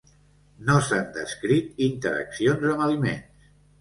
No s'han descrit interaccions amb aliments.